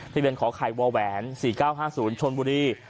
ที่เป็นขอไขวาแหวน๔๙๕๐ชนบุรี